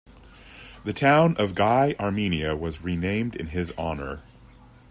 The town of Gai, Armenia was renamed in his honor.